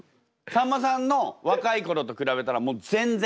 さんまさんの若い頃と比べたらもう全然？